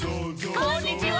「こんにちは」